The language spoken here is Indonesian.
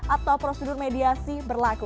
atau prosedur mediasi berlaku